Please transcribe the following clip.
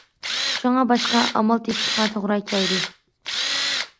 شۇڭا، باشقا ئامال تېپىشقا توغرا كەلدى.